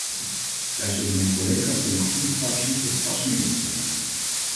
Daar zullen mijn collega's van de groene fractie het vast mee eens zijn.